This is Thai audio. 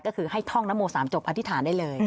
ก็คือให้ท่องน้ำมวลสามจบอธิษฐานได้เลย